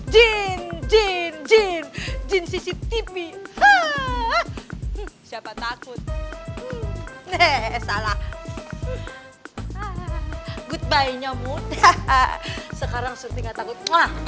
jangan nyomur surti takut